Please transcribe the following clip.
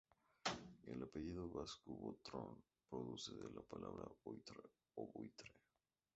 El apellido vasco Butrón procede de la palabra buitrón o buitre.